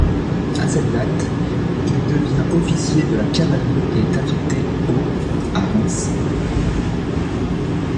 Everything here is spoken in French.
À cette date, il devient officier de cavalerie et est affecté au à Reims.